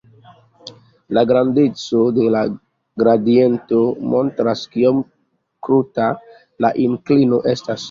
La grandeco de la gradiento montras kiom kruta la inklino estas.